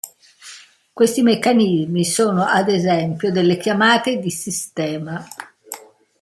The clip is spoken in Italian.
Questi meccanismi sono ad esempio delle chiamate di sistema.